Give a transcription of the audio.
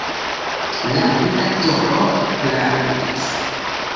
La redaktoro klarigas.